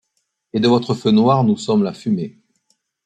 Et de votre feu noir nous sommes la fumée.